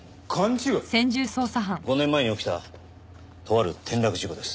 ５年前に起きたとある転落事故です。